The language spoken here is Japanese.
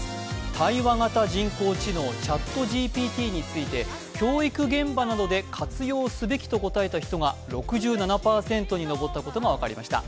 対話型人工知能ＣｈａｔＧＰＴについて教育現場などで活用すべきと答えた人が６７％に上ったことが分かりました。